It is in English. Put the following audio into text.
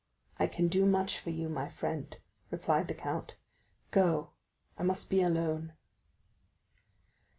"I can do much for you, my friend," replied the count. "Go; I must be alone."